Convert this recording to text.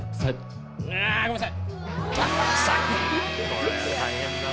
これは大変だな。